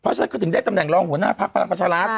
เพราะฉะนั้นก็ถึงได้ตำแหน่งรองหัวหน้าพักพลังประชารัฐ